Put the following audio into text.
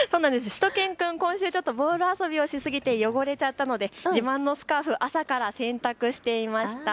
しゅと犬くん、今週、ボール遊びをして汚れちゃったので自慢のスカーフ、朝から洗濯していました。